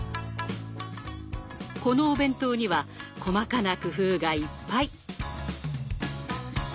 このお弁当には細かな工夫がいっぱい。